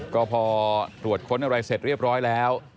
ก็พอตรวจค้นอะไรเสร็จเรียบร้อยแล้ว